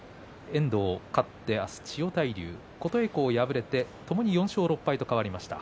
遠藤勝って明日は千代大龍琴恵光、敗れてともに４勝６敗と変わりました。